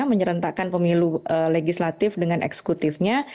menyerentakkan pemilu legislatif dengan eksekutifnya